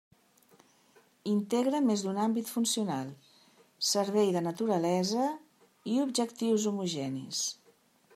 Integra més d'un àmbit funcional servei de naturalesa i objectius homogenis.